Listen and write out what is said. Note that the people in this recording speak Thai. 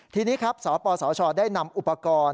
ทีนี้ครับสปสชได้นำอุปกรณ์